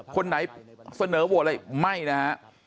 คนไหนเสนอโหวตอะไรไม่นะฮะ